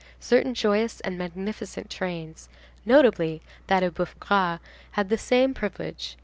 Certain joyous and magnificent trains, notably that of the Bœuf Gras, had the same privilege.